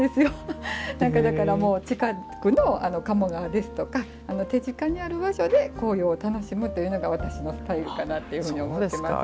だから、近くの鴨川ですとか手近にある場所で紅葉を楽しむというのが私のスタイルかなと思ってます。